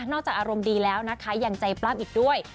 นอกจากอารมณ์ดีแล้วนะคะอย่างใจปรับอีกด้วย